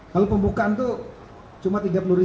kalau pembukaan itu cuma tiga puluh